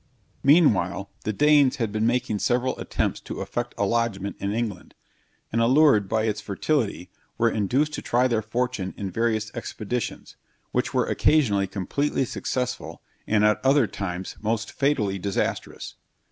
_] Meanwhile the Danes had been making several attempts to effect a lodgment in England; and allured by its fertility, were induced to try their fortune in various expeditions, which were occasionally completely successful, and at other times most fatally disastrous.